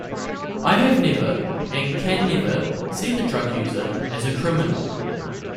I have never, and can never, see the drug user as a 'criminal'.